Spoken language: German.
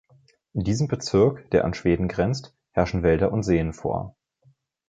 In diesem Bezirk, der an Schweden grenzt, herrschen Wälder und Seen vor.